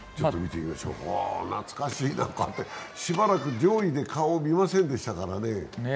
懐かしいな、しばらく上位で顔を見ませんでしたからね。